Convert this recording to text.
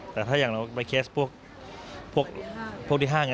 แต่ถ้าอย่างเราไปเคสพวกที่ห้าง